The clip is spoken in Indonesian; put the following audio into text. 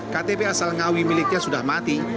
ktp asal ngawi miliknya sudah mati